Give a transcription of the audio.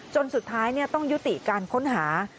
สุดท้ายต้องยุติการค้นหา